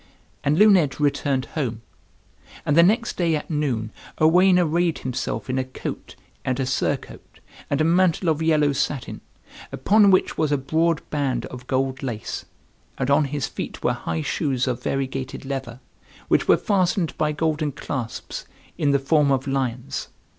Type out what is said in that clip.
And Luned returned home. And the next day at noon, Owain arrayed himself in a coat and a surcoat, and a mantle of yellow satin, upon which was a broad band of gold lace; and on his feet were high shoes of variegated leather, which were fastened by golden clasps, in the form of lions.